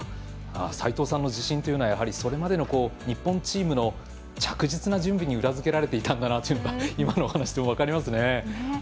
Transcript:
齋藤さんの自信というのはそれまでの日本チームの着実な準備に裏付けられていたんだなと今のお話で分かりますね。